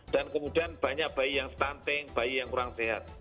dan kemudian banyak bayi yang stunting bayi yang kurang sehat